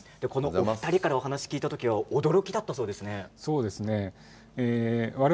お二人からお話を聞いた時は驚きだったそうですね。